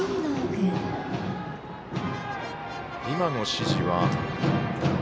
今の指示は。